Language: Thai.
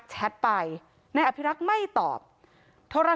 ความปลอดภัยของนายอภิรักษ์และครอบครัวด้วยซ้ำ